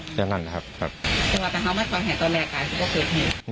แต่มันก็เห็นกัดไง